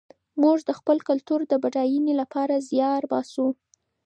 موږ د خپل کلتور د بډاینې لپاره زیار باسو.